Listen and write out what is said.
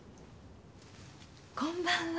こんばんは。